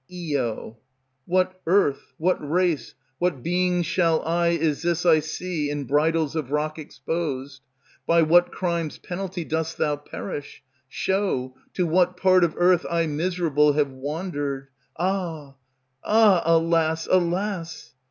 Io. What earth, what race, what being shall I is this I see in bridles of rock Exposed? By what crime's Penalty dost thou perish? Show, to what part Of earth I miserable have wandered. Ah! ah! alas! alas!